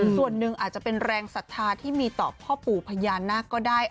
ส่วนหนึ่งอาจจะเป็นแรงศรัทธาที่มีต่อพ่อปู่พญานาคก็ได้